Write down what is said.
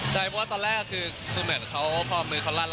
ใจเปราะว่าตอนแรกคือเค้าพอมือเข้ารั้นน่ะ